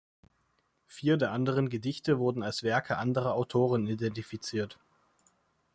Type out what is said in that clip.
Vier der anderen Gedichte wurden als Werke anderer Autoren identifiziert.